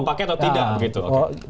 mau pakai atau tidak begitu